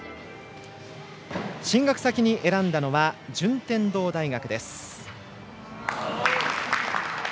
進学先に選んだのは順天堂大学です。